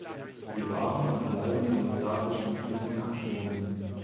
Wir waren und bleiben solidarisch mit ihren Aktionen.